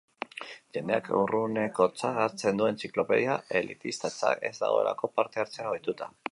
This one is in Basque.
Jendeak urrunekotzat hartzen du entziklopedia, elitistatzat, ez dagoelako parte hartzera ohituta.